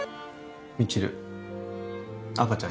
未知留赤ちゃん